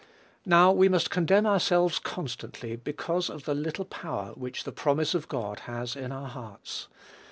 Now, we must condemn ourselves constantly, because of the little power which the promise of God has in our hearts.